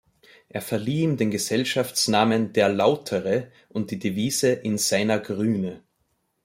Er verlieh ihm den Gesellschaftsnamen "der Lautere" und die Devise "in seiner Grüne".